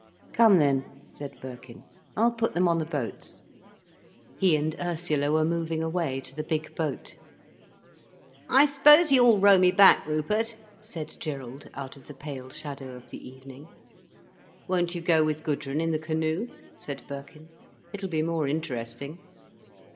"Come then," said Birkin. "I'll put them on the boats." He and Ursula were moving away to the big boat. "I suppose you'll row me back, Rupert," said Gerald, out of the pale shadow of the evening. "Won't you go with Gudrun in the canoe?" said Birkin. "It'll be more interesting."